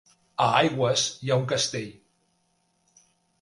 A Aigües hi ha un castell?